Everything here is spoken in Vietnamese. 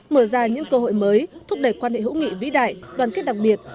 mở ra những cơ hội mới thúc đẩy quan hệ hữu nghị vĩ đại đoàn kết đặc biệt